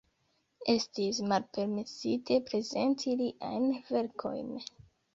Estis malpermesite prezenti liajn verkojn.